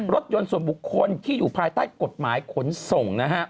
รถยนต์ส่วนบุคคลที่อยู่ภายใต้กฎหมายขนส่งนะฮะ